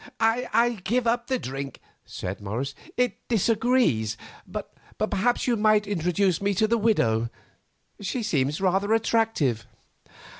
"I give up the drink," said Morris; "it disagrees; but perhaps you might introduce me to the widow. She seems rather attractive."